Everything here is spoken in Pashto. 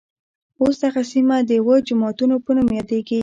اوس دغه سیمه د اوه جوماتونوپه نوم يادېږي.